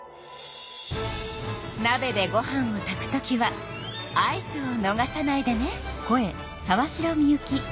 なべでご飯を炊くときは合図をのがさないでね！